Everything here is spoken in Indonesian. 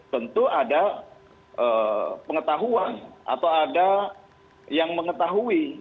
tentu ada pengetahuan atau ada yang mengetahui